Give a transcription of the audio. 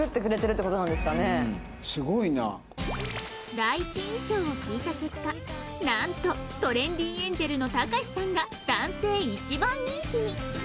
第一印象を聞いた結果なんとトレンディエンジェルのたかしさんが男性１番人気に